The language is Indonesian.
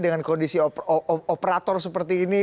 dengan kondisi operator seperti ini